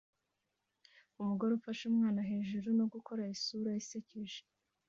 Umugore ufashe umwana hejuru no gukora isura isekeje